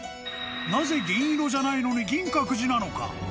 なぜ銀色じゃないのに銀閣寺なのか。